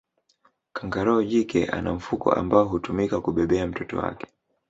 kangaroo jike ana mfuko ambao hutumika kubebea mtoto wake